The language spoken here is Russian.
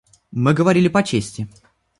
Мы говорили по чести.